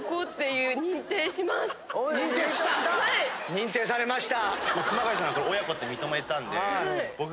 認定されました。